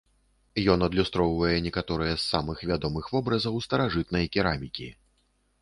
Ён адлюстроўвае некаторыя з самых вядомых вобразаў старажытнай керамікі.